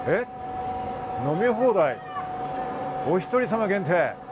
飲み放題、お１人さま限定。